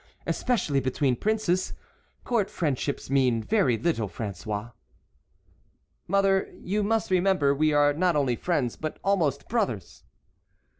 especially between princes. Court friendships mean very little, François." "Mother, you must remember we are not only friends, but almost brothers."